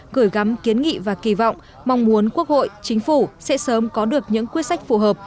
gửi gắm kiến nghị và kỳ vọng mong muốn quốc hội chính phủ sẽ sớm có được những quyết sách phù hợp